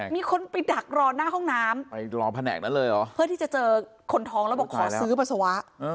มีคนไปดักรอหน้าห้องน้ำเพื่อที่จะเจอคนท้องแล้วบอกขอซื้อปัสสาวะ